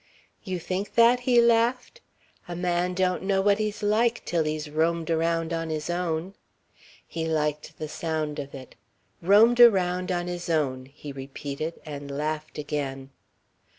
"You think that?" he laughed. "A man don't know what he's like till he's roamed around on his own." He liked the sound of it. "Roamed around on his own," he repeated, and laughed again.